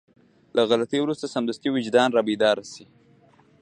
له غلطي وروسته سمدستي وجدان رابيدار شي.